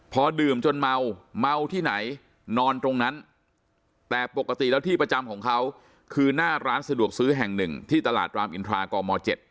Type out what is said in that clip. พอดื่มจนเมาเมาที่ไหนนอนตรงนั้นแต่ปกติแล้วที่ประจำของเขาคือหน้าร้านสะดวกซื้อแห่งหนึ่งที่ตลาดรามอินทรากม๗